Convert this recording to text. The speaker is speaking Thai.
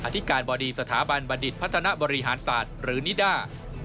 ธิการบดีสถาบันบัณฑิตพัฒนาบริหารศาสตร์หรือนิด้า